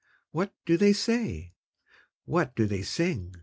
What do they say? What do they sing?